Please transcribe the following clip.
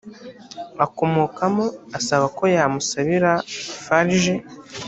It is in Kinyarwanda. akomokamo asaba ko yamusabira farg